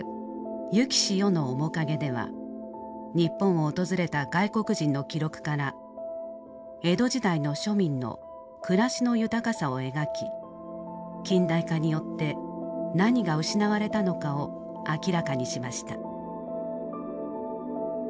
「逝きし世の面影」では日本を訪れた外国人の記録から江戸時代の庶民の暮らしの豊かさを描き近代化によって何が失われたのかを明らかにしました。